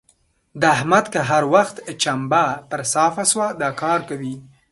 د احمد که هر وخت چمبه پر صافه سوه؛ دا کار کوي.